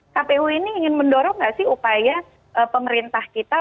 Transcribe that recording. kpu ini ingin mendorong nggak sih upaya pemerintah kita